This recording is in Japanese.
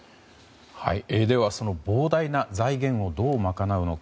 では、その膨大な財源をどう賄うのか。